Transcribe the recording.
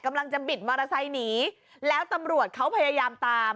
บิดมอเตอร์ไซค์หนีแล้วตำรวจเขาพยายามตาม